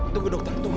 tunggu dokter tunggu